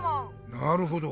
なるほど。